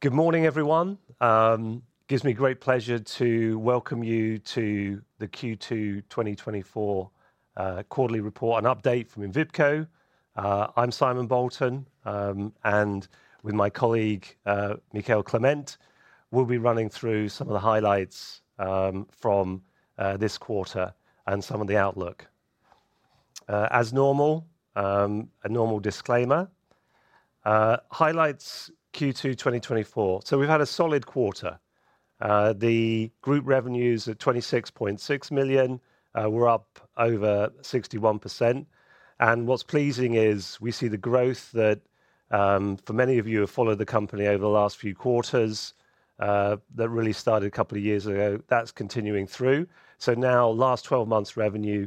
Good morning, everyone. It gives me great pleasure to welcome you to the Q2 2024 quarterly report, an update from Envipco. I'm Simon Bolton, and with my colleague, Mikael Clement, we'll be running through some of the highlights from this quarter and some of the outlook. As normal, a normal disclaimer. Highlights Q2 2024. So we've had a solid quarter. The group revenues are 26.6 million. We're up over 61%, and what's pleasing is we see the growth that for many of you who have followed the company over the last few quarters that really started a couple of years ago, that's continuing through. So now, last 12 months revenue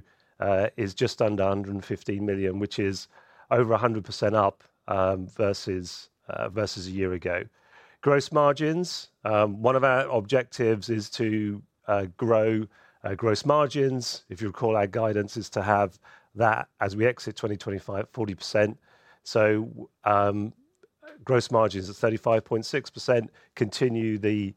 is just under 150 million, which is over 100% up versus a year ago. Gross margins, one of our objectives is to grow gross margins. If you recall, our guidance is to have that as we exit 2025, 40%. So, gross margins at 35.6% continue the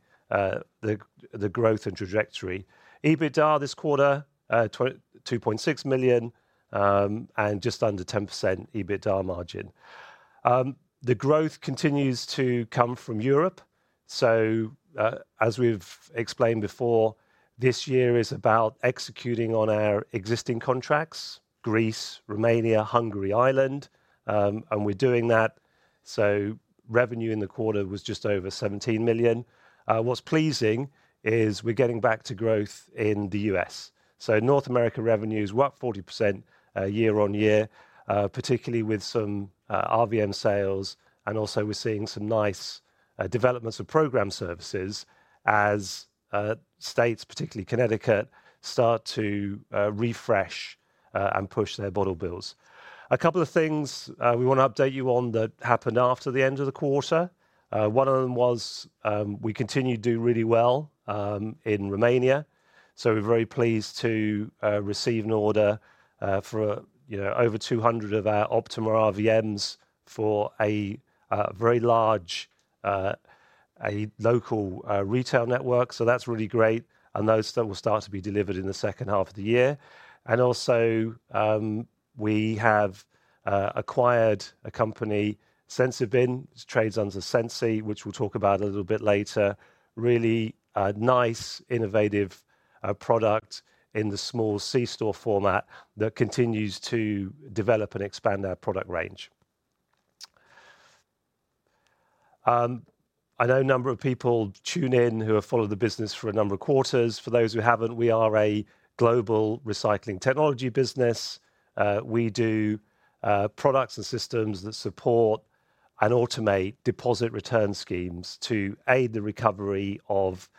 growth and trajectory. EBITDA this quarter, 2.6 million, and just under 10% EBITDA margin. The growth continues to come from Europe. So, as we've explained before, this year is about executing on our existing contracts: Greece, Romania, Hungary, Ireland, and we're doing that. So revenue in the quarter was just over 17 million. What's pleasing is we're getting back to growth in the U.S. So North America revenues were up 40%, year-on-year, particularly with some RVM sales, and also we're seeing some nice developments of program services as states, particularly Connecticut, start to refresh and push their bottle bills. A couple of things we wanna update you on that happened after the end of the quarter. One of them was we continued to do really well in Romania, so we're very pleased to receive an order for, you know, over 200 of our Optima RVMs for a very large local retail network. So that's really great, and those will start to be delivered in the second half of the year. And also, we have acquired a company, Sensibin, trades under Sensi, which we'll talk about a little bit later. Really, a nice innovative product in the small C-store format that continues to develop and expand our product range. I know a number of people tune in who have followed the business for a number of quarters. For those who haven't, we are a global recycling technology business. We do products and systems that support and automate deposit return schemes to aid the recovery of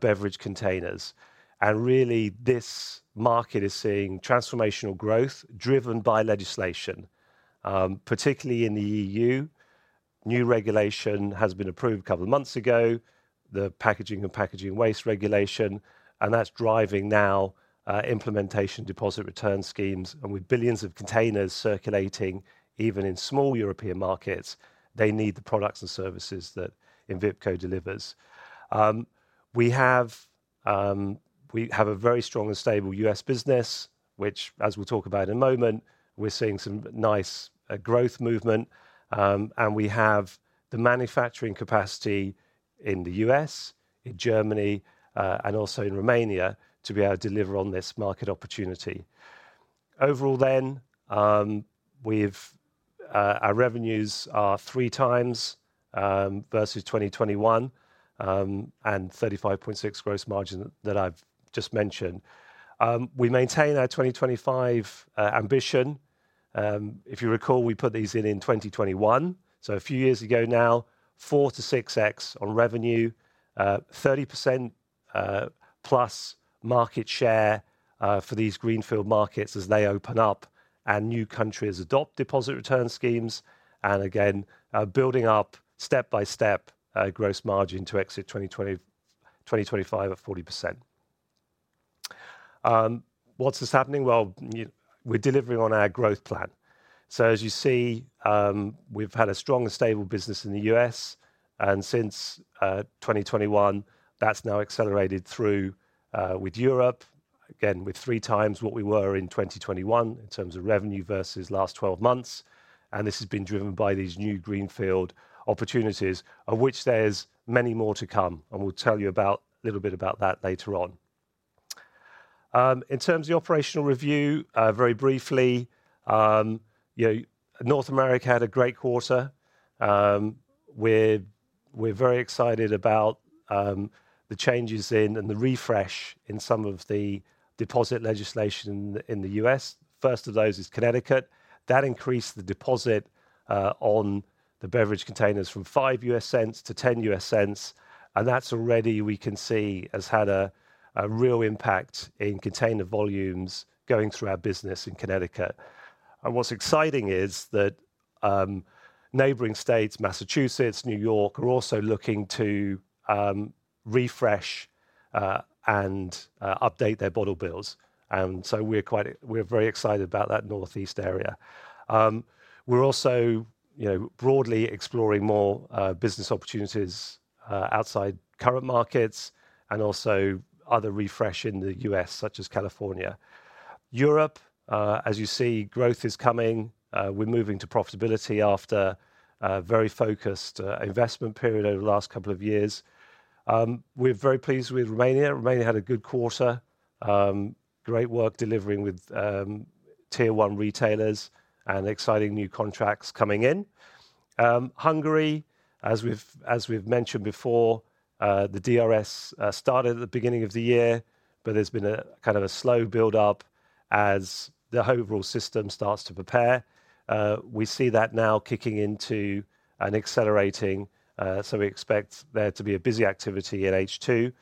beverage containers, and really, this market is seeing transformational growth driven by legislation, particularly in the E.U. New regulation has been approved a couple of months ago, the Packaging and Packaging Waste Regulation, and that's driving now implementation deposit return schemes, and with billions of containers circulating, even in small European markets, they need the products and services that Envipco delivers. We have a very strong and stable U.S. business, which, as we'll talk about in a moment, we're seeing some nice growth movement. And we have the manufacturing capacity in the U.S., in Germany, and also in Romania, to be able to deliver on this market opportunity. Overall then, we've our revenues are 3 times versus 2021, and 35.6% gross margin that I've just mentioned. We maintain our 2025 ambition. If you recall, we put these in in 2021, so a few years ago now, 4x-6x on revenue, 30% plus market share, for these greenfield markets as they open up and new countries adopt deposit return schemes, and again, building up step-by-step, gross margin to exit 2025 at 40%. What's happening? Well, we're delivering on our growth plan. So as you see, we've had a strong and stable business in the U.S., and since 2021, that's now accelerated through with Europe, again, with 3x what we were in 2021 in terms of revenue versus last 12 months, and this has been driven by these new greenfield opportunities, of which there's many more to come, and we'll tell you about a little bit about that later on. In terms of the operational review, very briefly, you know, North America had a great quarter. We're very excited about the changes in and the refresh in some of the deposit legislation in the U.S. First of those is Connecticut. That increased the deposit on the beverage containers from $0.05 to $0.10, and that already we can see has had a real impact in container volumes going through our business in Connecticut. What's exciting is that, neighboring states, Massachusetts, New York, are also looking to refresh and update their bottle bills. So we're very excited about that Northeast area. We're also, you know, broadly exploring more business opportunities outside current markets and also other refresh in the U.S., such as California. Europe, as you see, growth is coming. We're moving to profitability after a very focused investment period over the last couple of years. We're very pleased with Romania. Romania had a good quarter. Great work delivering with tier one retailers and exciting new contracts coming in. Hungary, as we've mentioned before, the DRS started at the beginning of the year, but there's been a kind of a slow build-up as the overall system starts to prepare. We see that now kicking into and accelerating, so we expect there to be a busy activity in H2.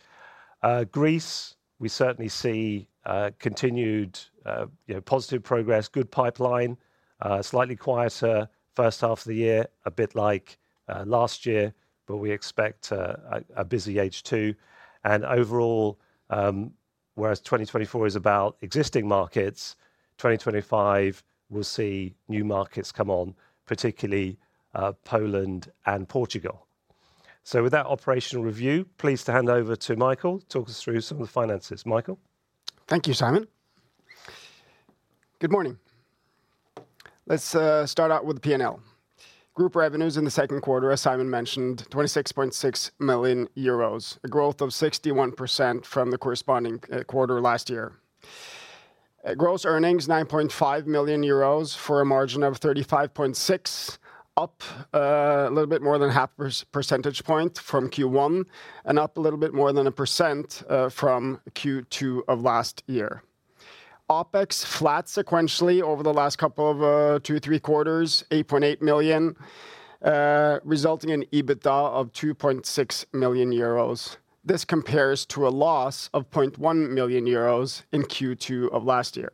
Greece, we certainly see continued, you know, positive progress, good pipeline, slightly quieter first half of the year, a bit like last year, but we expect a busy H2. And overall, whereas 2024 is about existing markets, 2025, we'll see new markets come on, particularly Poland and Portugal. So with that operational review, pleased to hand over to Mikael to talk us through some of the finances. Mikael? Thank you, Simon. Good morning. Let's start out with the P&L. Group revenues in the second quarter, as Simon mentioned, 26.6 million euros, a growth of 61% from the corresponding quarter last year. Gross earnings, 9.5 million euros for a margin of 35.6%, up a little bit more than half percentage point from Q1, and up a little bit more than 1% from Q2 of last year. OpEx, flat sequentially over the last couple of two, three quarters, 8.8 million, resulting in EBITDA of 2.6 million euros. This compares to a loss of 0.1 million euros in Q2 of last year.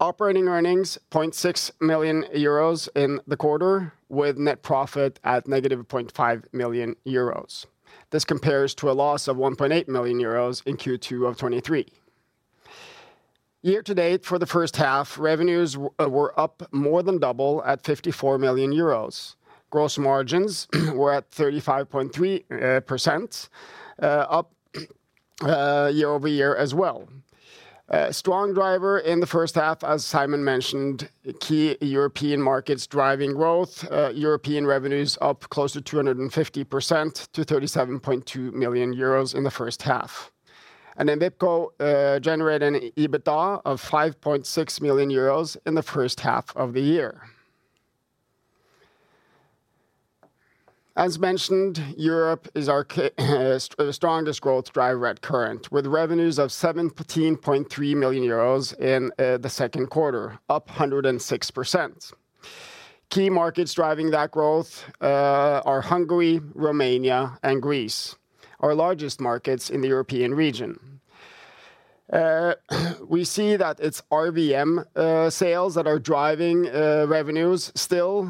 Operating earnings, 0.6 million euros in the quarter, with net profit at -0.5 million euros. This compares to a loss of 1.8 million euros in Q2 of 2023. Year to date, for the first half, revenues were up more than double at 54 million euros. Gross margins were at 35.3%, up year-over-year as well. Strong driver in the first half, as Simon mentioned, key European markets driving growth. European revenue is up close to 250% to 37.2 million euros in the first half. And Envipco generated an EBITDA of 5.6 million euros in the first half of the year. As mentioned, Europe is our key, the strongest growth driver currently, with revenues of 17.3 million euros in the second quarter, up 106%. Key markets driving that growth are Hungary, Romania, and Greece, our largest markets in the European region. We see that it's RVM sales that are driving revenues still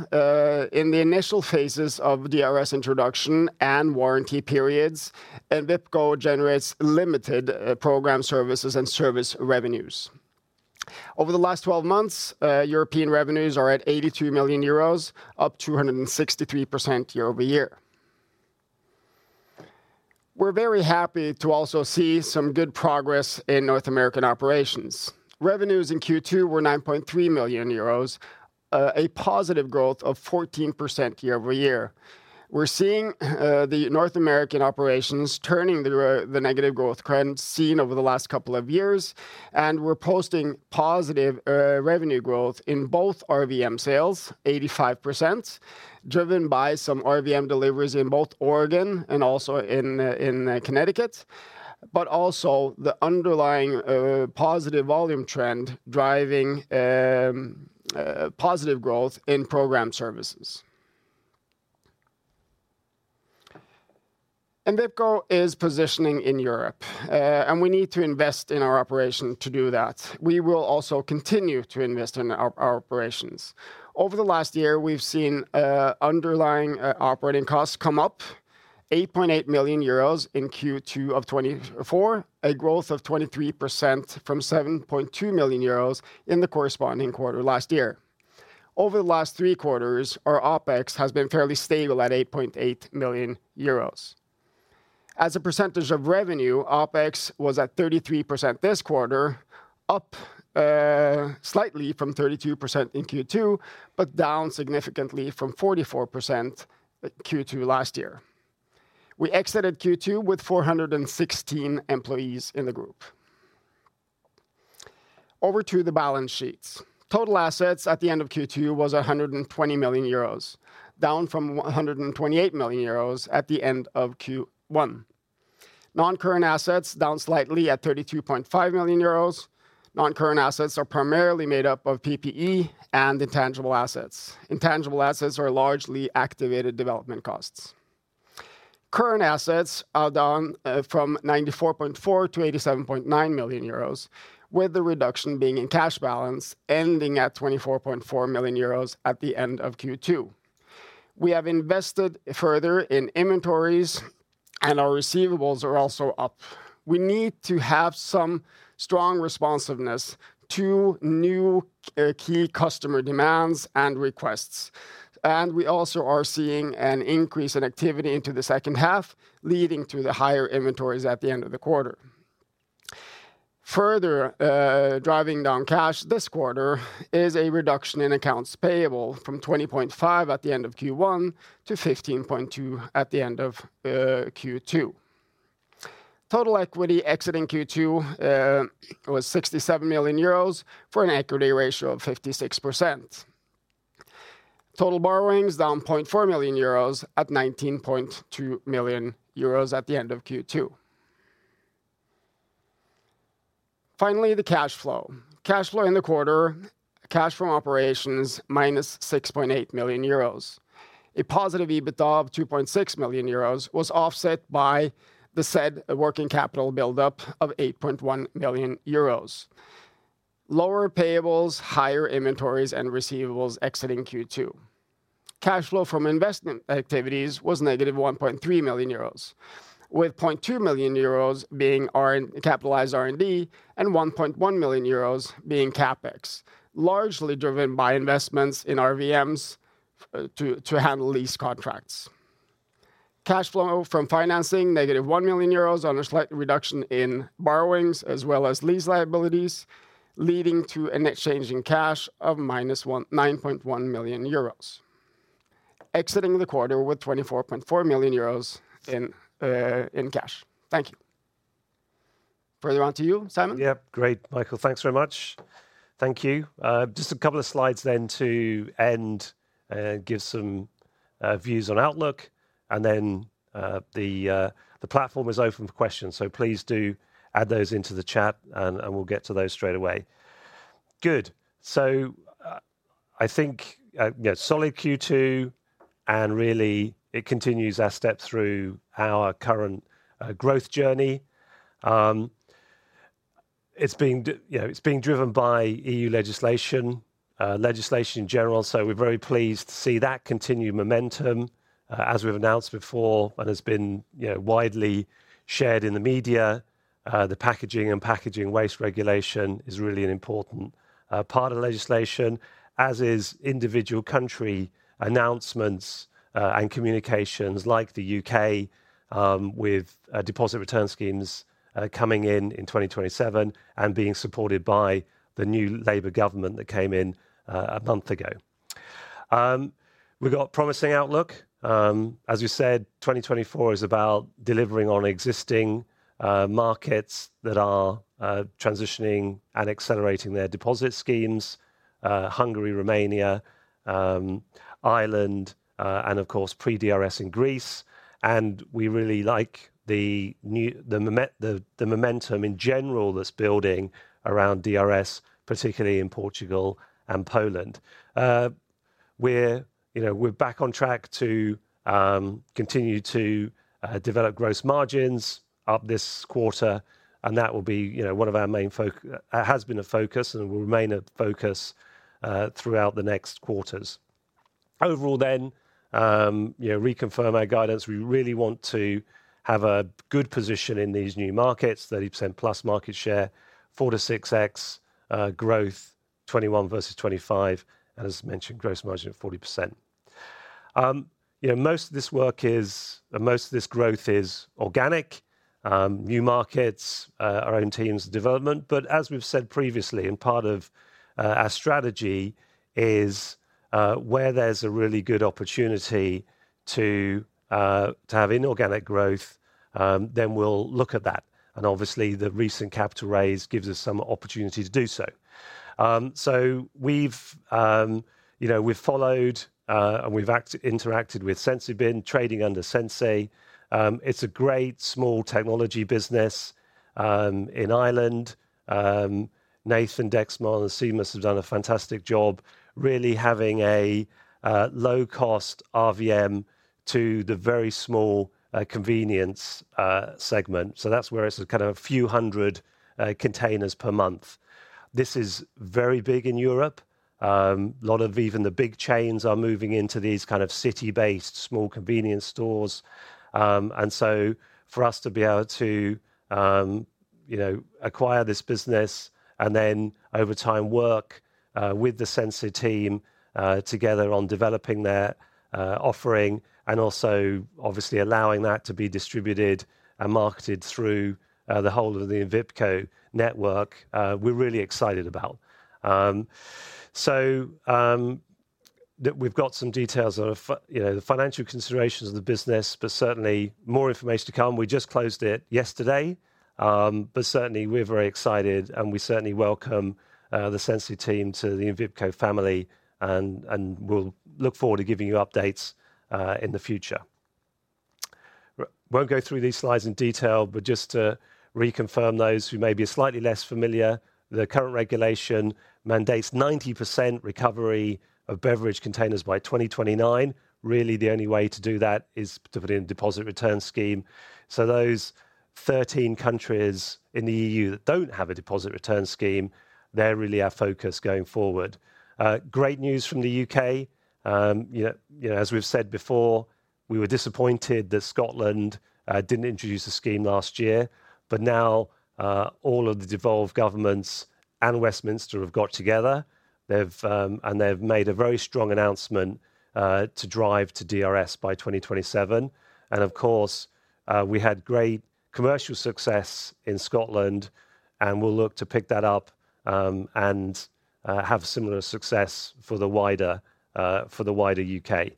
in the initial phases of DRS introduction and warranty periods. Envipco generates limited program services and service revenues. Over the last 12 months, European revenues are at 83 million euros, up 263% year-over-year. We're very happy to also see some good progress in North American operations. Revenues in Q2 were 9.3 million euros, a positive growth of 14% year-over-year. We're seeing the North American operations turning the negative growth trend seen over the last couple of years, and we're posting positive revenue growth in both RVM sales, 85%, driven by some RVM deliveries in both Oregon and also in Connecticut, but also the underlying positive volume trend driving positive growth in program services. Envipco is positioning in Europe, and we need to invest in our operation to do that. We will also continue to invest in our operations. Over the last year, we've seen underlying operating costs come up 8.8 million euros in Q2 of 2024, a growth of 23% from 7.2 million euros in the corresponding quarter last year. Over the last three quarters, our OpEx has been fairly stable at 8.8 million euros. As a percentage of revenue, OpEx was at 33% this quarter, up slightly from 32% in Q2, but down significantly from 44% at Q2 last year. We exited Q2 with 416 employees in the group. Over to the balance sheets. Total assets at the end of Q2 was 120 million euros, down from 128 million euros at the end of Q1. Non-current assets down slightly at 32.5 million euros. Non-current assets are primarily made up of PPE and intangible assets. Intangible assets are largely activated development costs. Current assets are down from 94.4 million-87.9 million euros, with the reduction being in cash balance, ending at 24.4 million euros at the end of Q2. We have invested further in inventories, and our receivables are also up. We need to have some strong responsiveness to new, key customer demands and requests. And we also are seeing an increase in activity into the second half, leading to the higher inventories at the end of the quarter. Further, driving down cash this quarter is a reduction in accounts payable from 20.5 at the end of Q1 to 15.2 at the end of Q2. Total equity exiting Q2 was 67 million euros, for an equity ratio of 56%. Total borrowings, down 0.4 million euros at 19.2 million euros at the end of Q2. Finally, the cash flow. Cash flow in the quarter, cash from operations, -6.8 million euros. A positive EBITDA of 2.6 million euros was offset by the said working capital build-up of 8.1 million euros. Lower payables, higher inventories, and receivables exiting Q2. Cash flow from investment activities was negative 1.3 million euros, with 0.2 million euros being capitalized R&D, and 1.1 million euros being CapEx, largely driven by investments in RVMs, to handle lease contracts. Cash flow from financing, negative 1 million euros on a slight reduction in borrowings, as well as lease liabilities, leading to a net change in cash of negative 19.1 million euros, exiting the quarter with 24.4 million euros in cash. Thank you. Further on to you, Simon? Yep. Great, Mikael. Thanks very much. Thank you. Just a couple of slides then to end, give some views on outlook, and then, the platform is open for questions, so please do add those into the chat, and, and we'll get to those straight away. Good. So, I think, yeah, solid Q2, and really it continues our step through our current growth journey. You know, it's being driven by E.U. legislation, legislation in general, so we're very pleased to see that continued momentum. As we've announced before, and has been, you know, widely shared in the media, the Packaging and Packaging Waste Regulation is really an important part of the legislation, as is individual country announcements and communications, like the U.K., with Deposit Return Schemes coming in in 2027 and being supported by the new Labour government that came in a month ago. We've got promising outlook. As we said, 2024 is about delivering on existing markets that are transitioning and accelerating their deposit schemes, Hungary, Romania, Ireland, and of course, pre-DRS in Greece. And we really like the new momentum in general that's building around DRS, particularly in Portugal and Poland. We're, you know, we're back on track to continue to develop gross margins up this quarter, and that will be, you know, one of our main focus has been a focus and will remain a focus throughout the next quarters. Overall then, you know, reconfirm our guidance. We really want to have a good position in these new markets, 30%+ market share, 4x-6x growth, 2021 versus 2025, and as mentioned, gross margin of 40%. You know, most of this work is, or most of this growth is organic, new markets, our own teams' development. But as we've said previously, and part of our strategy is where there's a really good opportunity to to have inorganic growth, then we'll look at that. Obviously, the recent capital raise gives us some opportunity to do so. So we've, you know, we've followed, and we've interacted with Sensibin, trading under Sensi. It's a great small technology business in Ireland. Nathan Misischi and Seamus have done a fantastic job, really having a low-cost RVM to the very small convenience segment. So that's where it's kind of a few hundred containers per month. This is very big in Europe. A lot of even the big chains are moving into these kind of city-based small convenience stores. So for us to be able to, you know, acquire this business and then over time, work with the Sensi team together on developing their offering, and also obviously allowing that to be distributed and marketed through the whole of the Envipco network, we're really excited about. So, we've got some details of, you know, the financial considerations of the business, but certainly more information to come. We just closed it yesterday. But certainly, we're very excited, and we certainly welcome the Sensi team to the Envipco family, and we'll look forward to giving you updates in the future. Won't go through these slides in detail, but just to reconfirm those who may be slightly less familiar, the current regulation mandates 90% recovery of beverage containers by 2029. Really, the only way to do that is to put in a deposit return scheme. So 13 countries in the E.U. that don't have a deposit return scheme, they're really our focus going forward. Great news from the U.K. You know, you know, as we've said before, we were disappointed that Scotland didn't introduce a scheme last year, but now all of the devolved governments and Westminster have got together. They've, and they've made a very strong announcement to drive to DRS by 2027. And of course, we had great commercial success in Scotland, and we'll look to pick that up, and have similar success for the wider U.K.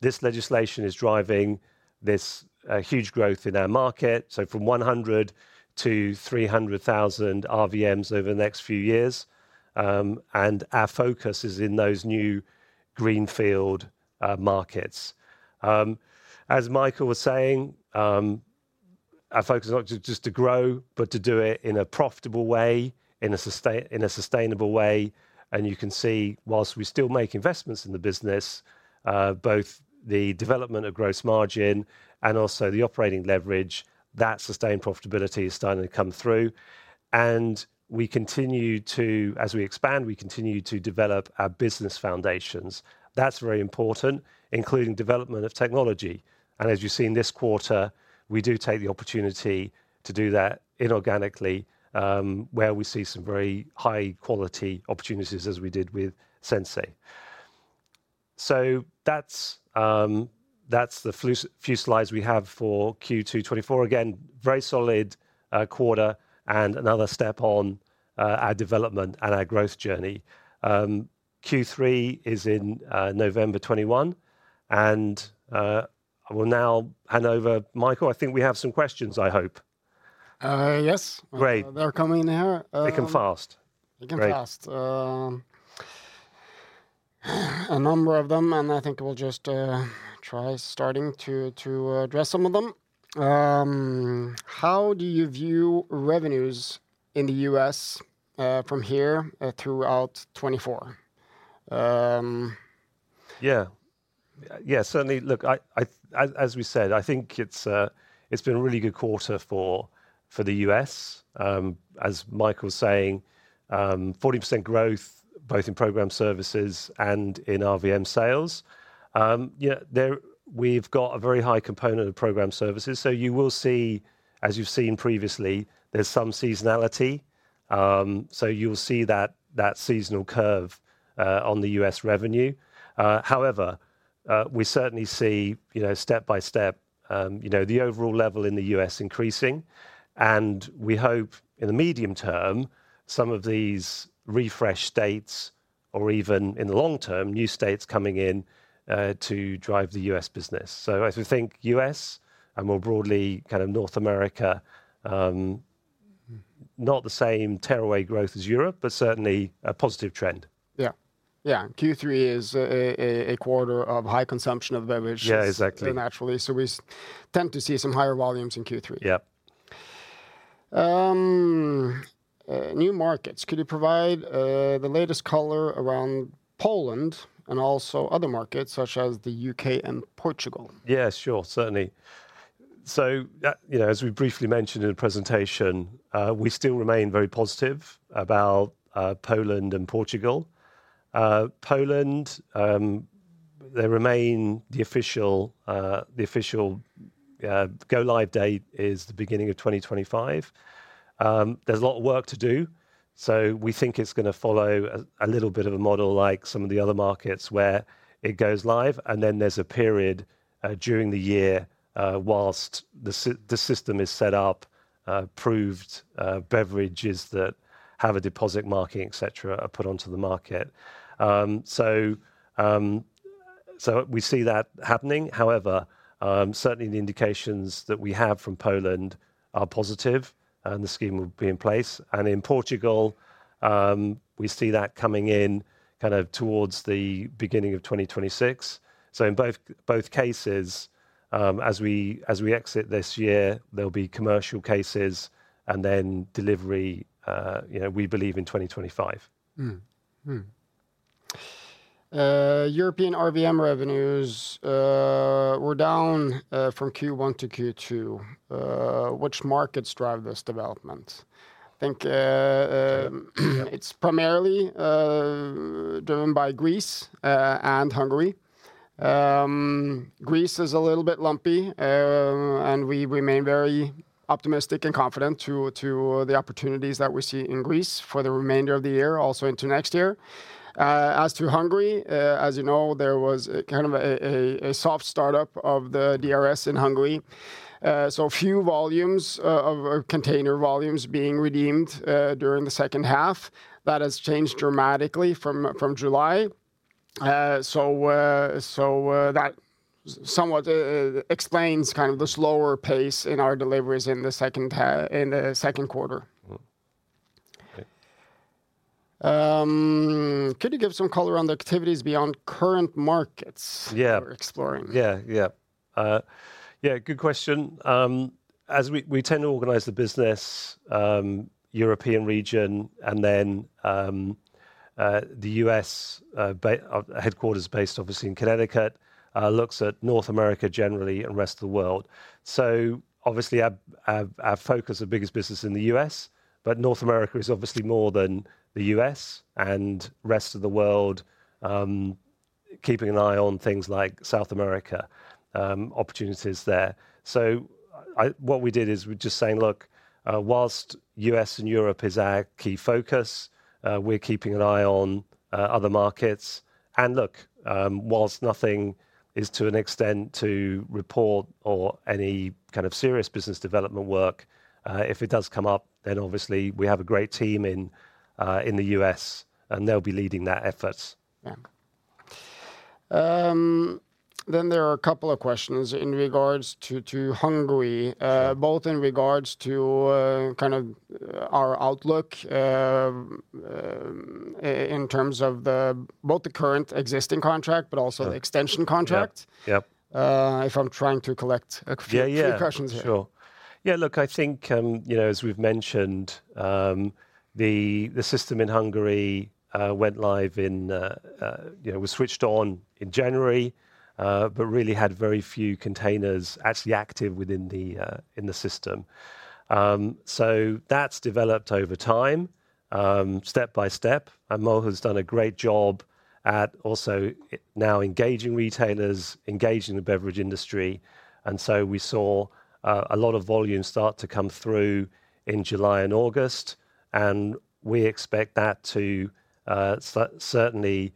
This legislation is driving this huge growth in our market, so from 100-300,000 RVMs over the next few years. Our focus is in those new greenfield markets. As Mikael was saying, our focus is not to just to grow, but to do it in a profitable way, in a sustainable way. And you can see, while we still make investments in the business, both the development of gross margin and also the operating leverage, that sustained profitability is starting to come through, and we continue to... As we expand, we continue to develop our business foundations. That's very important, including development of technology. And as you see in this quarter, we do take the opportunity to do that inorganically, where we see some very high-quality opportunities, as we did with Sensi. That's the few slides we have for Q2 2024. Again, very solid quarter, and another step on our development and our growth journey. Q3 is in November 21, and I will now hand over. Mikael, I think we have some questions, I hope. Uh, yes. Great. They're coming now. They come fast. They come fast. Great. A number of them, and I think we'll just try starting to address some of them. How do you view revenues in the U.S., from here, throughout 2024? Yeah. Yeah, certainly, look, I, as we said, I think it's, it's been a really good quarter for the U.S. As Mikael was saying, 40% growth both in program services and in RVM sales. You know, there we've got a very high component of program services. So you will see, as you've seen previously, there's some seasonality. So you'll see that seasonal curve on the U.S. revenue. However, we certainly see, you know, step by step, you know, the overall level in the U.S. increasing, and we hope, in the medium term, some of these refresh states, or even in the long term, new states coming in to drive the U.S. business. So as we think U.S., and more broadly, kind of North America, Mm... not the same tearaway growth as Europe, but certainly a positive trend. Yeah. Yeah, Q3 is a quarter of high consumption of beverages- Yeah, exactly... naturally, so we tend to see some higher volumes in Q3. Yeah. New markets, could you provide the latest color around Poland and also other markets, such as the U.K. and Portugal? Yeah, sure. Certainly. So, you know, as we briefly mentioned in the presentation, we still remain very positive about, Poland and Portugal. Poland, they remain the official, the official, go-live date is the beginning of 2025. There's a lot of work to do, so we think it's gonna follow a, a little bit of a model like some of the other markets, where it goes live, and then there's a period, during the year, whilst the system is set up, approved, beverages that have a deposit marking, et cetera, are put onto the market. So, so we see that happening. However, certainly the indications that we have from Poland are positive, and the scheme will be in place. In Portugal, we see that coming in kind of towards the beginning of 2026. In both cases, as we exit this year, there'll be commercial cases and then delivery, you know, we believe in 2025. European RVM revenues were down from Q1 to Q2. Which markets drive this development? I think, Yeah... it's primarily driven by Greece and Hungary. Greece is a little bit lumpy, and we remain very optimistic and confident to the opportunities that we see in Greece for the remainder of the year, also into next year. As to Hungary, as you know, there was a kind of a soft startup of the DRS in Hungary, so a few volumes of container volumes being redeemed during the second half. That has changed dramatically from July. So that somewhat explains kind of the slower pace in our deliveries in the second quarter. Mm, okay. Could you give some color on the activities beyond current markets? Yeah... we're exploring? Yeah, yeah. Yeah, good question. As we tend to organize the business, European region, and then the U.S., headquarters based obviously in Connecticut, looks at North America generally and the rest of the world. So obviously our focus, our biggest business is in the U.S., but North America is obviously more than the U.S., and rest of the world, keeping an eye on things like South America, opportunities there. So what we did is we're just saying, "Look, whilst U.S. and Europe is our key focus, we're keeping an eye on other markets. And look, while nothing is to an extent to report or any kind of serious business development work, if it does come up, then obviously we have a great team in the U.S., and they'll be leading that effort. Yeah. Then there are a couple of questions in regards to Hungary. Sure. Both in regards to, kind of, our outlook, in terms of the, both the current existing contract, but also- Yeah... the extension contract. Yeah, yeah. If I'm trying to collect- Yeah, yeah... a few questions here. Sure. Yeah, look, I think, you know, as we've mentioned, the system in Hungary went live in January, you know, was switched on in January, but really had very few containers actually active within the system. So that's developed over time, step-by-step, and MOHU's done a great job at also now engaging retailers, engaging the beverage industry. And so we saw a lot of volume start to come through in July and August, and we expect that to certainly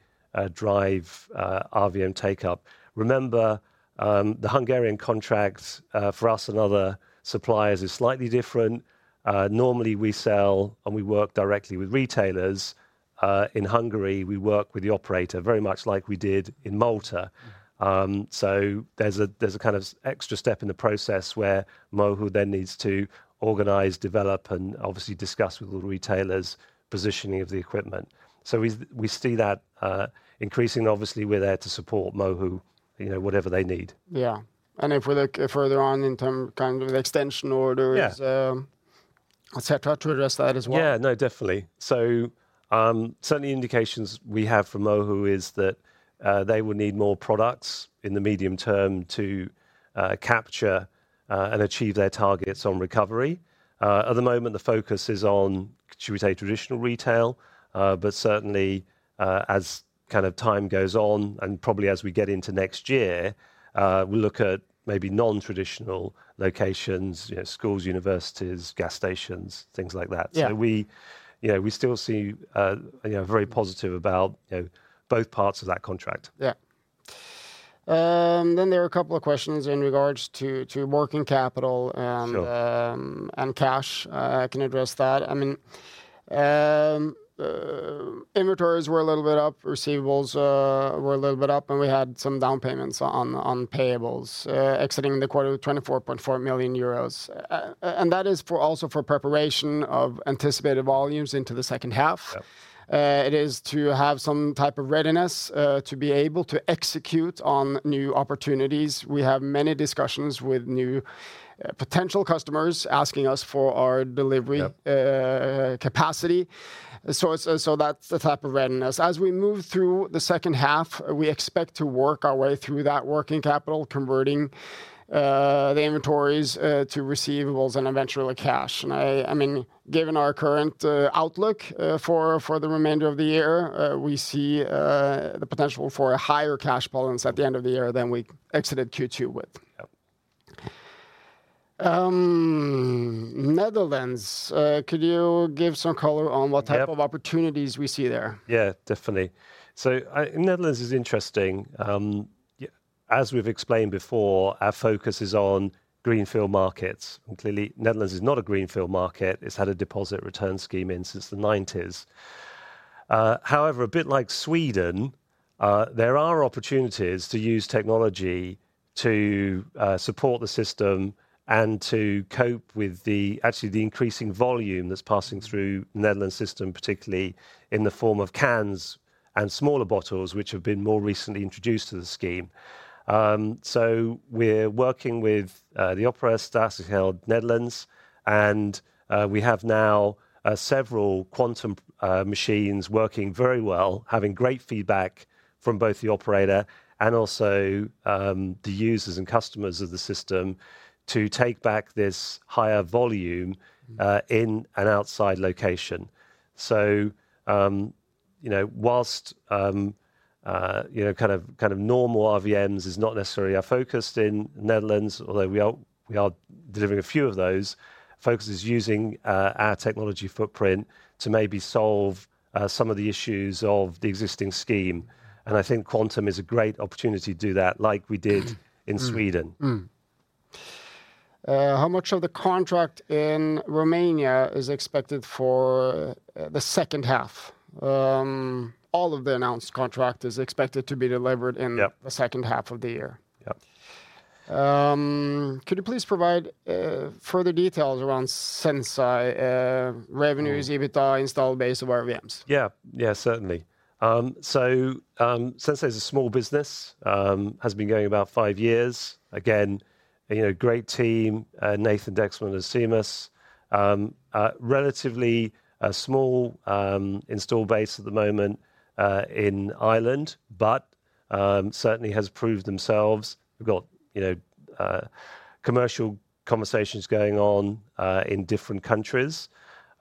drive RVM take-up. Remember, the Hungarian contracts for us and other suppliers is slightly different. Normally we sell and we work directly with retailers. In Hungary, we work with the operator, very much like we did in Malta. So there's a kind of extra step in the process where MOHU then needs to organize, develop, and obviously discuss with the retailers positioning of the equipment. So we see that increasing. Obviously, we're there to support MOHU, you know, whatever they need. Yeah. And then further on in terms, kind of extension orders- Yeah... et cetera, to address that as well. Yeah. No, definitely. So, certainly indications we have from MOHU is that they will need more products in the medium term to capture and achieve their targets on recovery. At the moment, the focus is on, should we say, traditional retail, but certainly, as kind of time goes on, and probably as we get into next year, we'll look at maybe non-traditional locations, you know, schools, universities, gas stations, things like that. Yeah. We, you know, we still see, you know, very positive about, you know, both parts of that contract. Yeah. Then there are a couple of questions in regards to working capital and- Sure... and cash. I can address that. I mean, inventories were a little bit up, receivables were a little bit up, and we had some down payments on payables, exiting the quarter with 24.4 million euros. And that is for also for preparation of anticipated volumes into the second half. Yeah. It is to have some type of readiness to be able to execute on new opportunities. We have many discussions with new potential customers asking us for our delivery- Yeah... capacity. So that's the type of readiness. As we move through the second half, we expect to work our way through that working capital, converting the inventories to receivables and eventually cash. And I mean, given our current outlook for the remainder of the year, we see the potential for a higher cash balance at the end of the year than we exited Q2 with. Yep. Netherlands, could you give some color on- Yep... what type of opportunities we see there? Yeah, definitely. So, Netherlands is interesting. Yeah, as we've explained before, our focus is on greenfield markets, and clearly Netherlands is not a greenfield market. It's had a deposit return scheme in since the 1990s. However, a bit like Sweden, there are opportunities to use technology to support the system and to cope with the, actually the increasing volume that's passing through Netherlands' system, particularly in the form of cans and smaller bottles, which have been more recently introduced to the scheme. So, we're working with the operator, Statiegeld Nederland, and we have now several Quantum machines working very well, having great feedback from both the operator and also the users and customers of the system, to take back this higher volume in an outside location. You know, while you know kind of normal RVMs is not necessarily our focus in Netherlands, although we are delivering a few of those, focus is using our technology footprint to maybe solve some of the issues of the existing scheme, and I think Quantum is a great opportunity to do that, like we did- Mm... in Sweden. How much of the contract in Romania is expected for the second half? All of the announced contract is expected to be delivered in- Yep... the second half of the year. Yep. Could you please provide further details around Sensi, revenues, EBITDA, installed base of RVMs? Yeah. Yeah, certainly. So, Sensi is a small business, has been going about five years. Again, you know, great team, Nathan Misischi and Seamus. Relatively a small install base at the moment in Ireland, but certainly has proved themselves. We've got, you know, commercial conversations going on in different countries.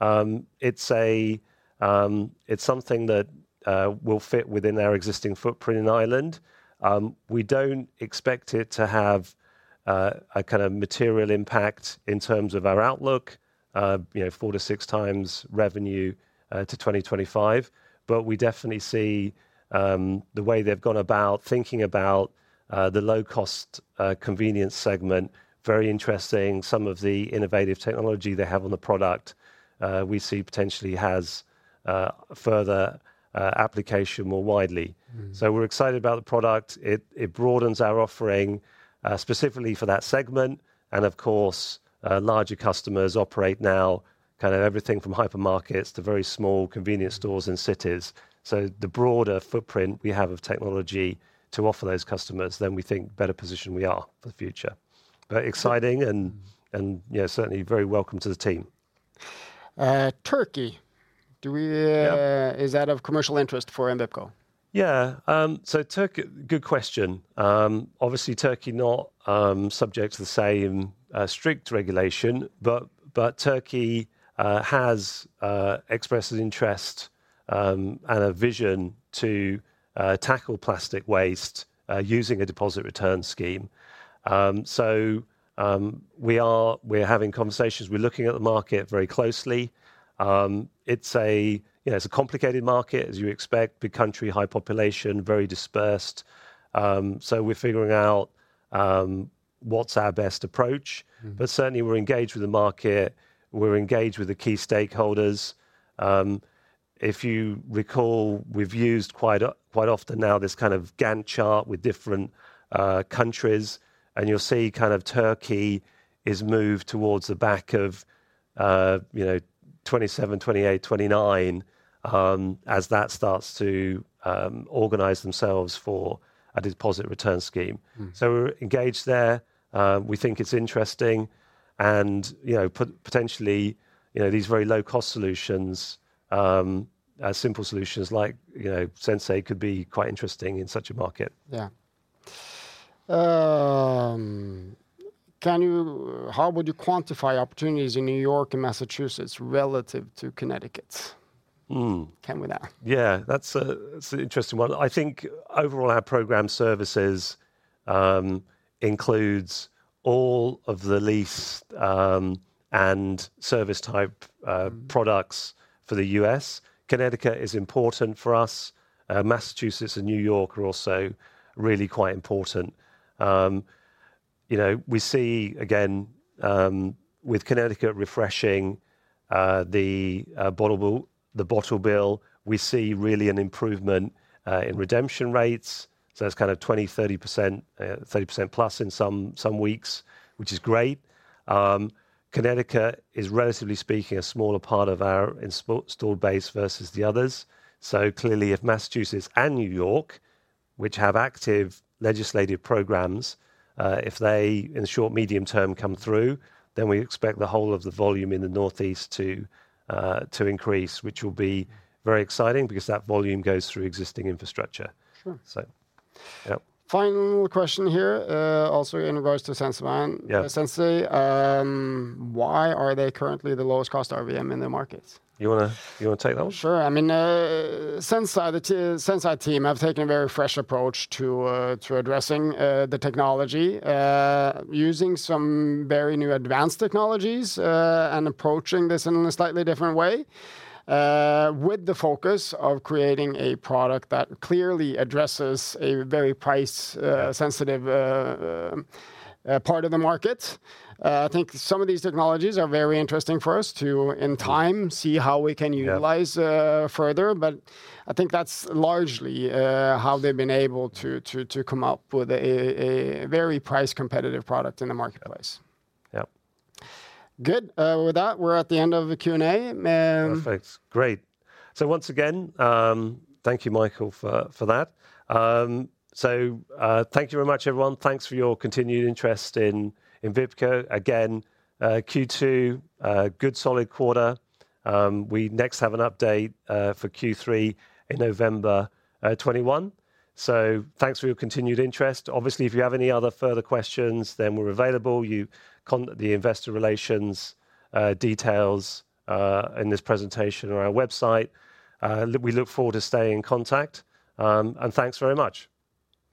It's a, it's something that will fit within our existing footprint in Ireland. We don't expect it to have a kind of material impact in terms of our outlook, you know, 4x-6x revenue to 2025. But we definitely see the way they've gone about thinking about the low-cost convenience segment, very interesting. Some of the innovative technology they have on the product, we see potentially has further application more widely. Mm. So we're excited about the product. It broadens our offering, specifically for that segment, and of course, larger customers operate now, kind of everything from hypermarkets to very small convenience stores in cities. So the broader footprint we have of technology to offer those customers, then we think better position we are for the future. Very exciting. Mm. And, you know, certainly very welcome to the team. Turkey, do we- Yep. Is that of commercial interest for Envipco? Yeah. So good question. Obviously, Turkey not subject to the same strict regulation, but Turkey has expressed an interest and a vision to tackle plastic waste using a deposit return scheme. So we are, we're having conversations. We're looking at the market very closely. It's a, you know, it's a complicated market, as you expect. Big country, high population, very dispersed. So we're figuring out what's our best approach. Mm. But certainly we're engaged with the market, we're engaged with the key stakeholders. If you recall, we've used quite, quite often now this kind of Gantt chart with different countries, and you'll see kind of Turkey is moved towards the back of, you know, 2027, 2028, 2029, as that starts to organize themselves for a Deposit Return Scheme. Mm. We're engaged there. We think it's interesting and, you know, potentially, you know, these very low-cost solutions, simple solutions like, you know, Sensi could be quite interesting in such a market. Yeah. Can you... How would you quantify opportunities in New York and Massachusetts relative to Connecticut? Mm. Can we do that? Yeah, that's an interesting one. I think overall our program services includes all of the lease and service-type products for the U.S. Connecticut is important for us. Massachusetts and New York are also really quite important. You know, we see again with Connecticut refreshing the bottle bill, we see really an improvement in redemption rates, so that's kind of 20%-30%, 30%+ in some weeks, which is great. Connecticut is relatively speaking a smaller part of our install base versus the others. So clearly, if Massachusetts and New York, which have active legislative programs, if they in the short, medium term come through, then we expect the whole of the volume in the northeast to increase, which will be very exciting because that volume goes through existing infrastructure. Sure. So, yep. Final question here, also in regards to Sensibin. Yeah. Sensi, why are they currently the lowest cost RVM in the market? You want to, you want to take that one? Sure. I mean, Sensi, the Sensi team have taken a very fresh approach to addressing the technology using some very new advanced technologies and approaching this in a slightly different way with the focus of creating a product that clearly addresses a very price-sensitive part of the market. I think some of these technologies are very interesting for us to, in time- Mm... see how we can utilize- Yeah... further. But I think that's largely how they've been able to come up with a very price competitive product in the marketplace. Yep. Good. With that, we're at the end of the Q&A. Perfect. Great. So once again, thank you, Mikael, for, for that. So, thank you very much, everyone. Thanks for your continued interest in Envipco. Again, Q2, a good, solid quarter. We next have an update for Q3 in November 2021. So thanks for your continued interest. Obviously, if you have any other further questions, then we're available. You con- the investor relations details in this presentation or our website. We look forward to staying in contact, and thanks very much.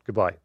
Goodbye.